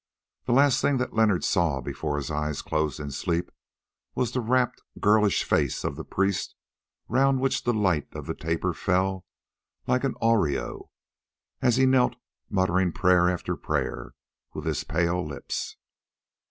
The last thing that Leonard saw before his eyes closed in sleep was the rapt girlish face of the priest, round which the light of the taper fell like an aureole, as he knelt muttering prayer after prayer with his pale lips.